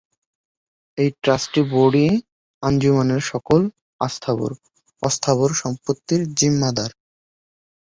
এই ট্রাস্টি বোর্ডই আঞ্জুমানের সকল স্থাবর, অবস্থাবর-সম্পত্তির জিম্মাদার।